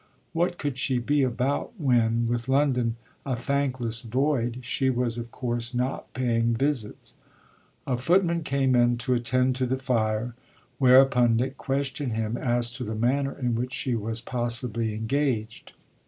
What could she be about when, with London a thankless void, she was of course not paying visits? A footman came in to attend to the fire, whereupon Nick questioned him as to the manner in which she was possibly engaged.